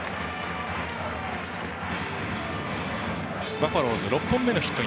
バファローズ、６本目のヒット。